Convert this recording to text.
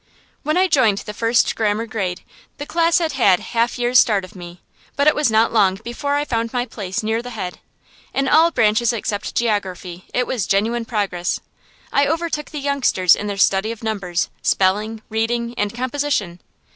When I joined the first grammar grade, the class had had a half year's start of me, but it was not long before I found my place near the head. In all branches except geography it was genuine progress. I overtook the youngsters in their study of numbers, spelling, reading, and composition.